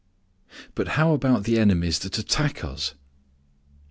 X "But how about the enemies that attack us?"